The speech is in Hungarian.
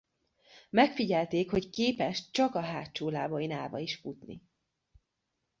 Megfigyelték hogy képes csak a hátsó lábain állva is futni.